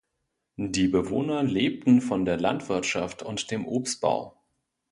Die Bewohner lebten von der Landwirtschaft und dem Obstbau.